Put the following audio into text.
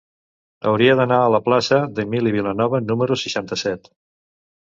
Hauria d'anar a la plaça d'Emili Vilanova número seixanta-set.